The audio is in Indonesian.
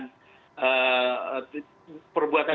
perbuatan yang diperlukan